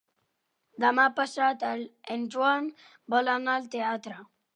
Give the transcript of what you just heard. Demà passat en Joan vol anar al teatre.